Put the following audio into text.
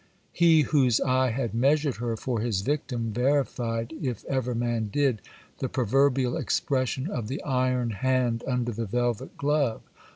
He whose eye had measured her for his victim verified, if ever man did, the proverbial expression of the iron hand under the velvet glove.